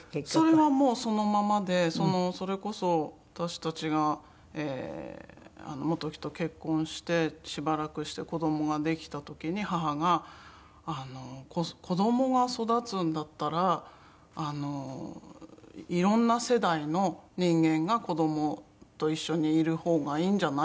それはもうそのままでそれこそ私たちが本木と結婚してしばらくして子どもができた時に母が「子どもが育つんだったらいろんな世代の人間が子どもと一緒にいる方がいいんじゃない？」